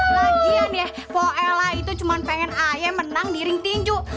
lagian ya po ella itu cuma pengen ayem menang di ring tinju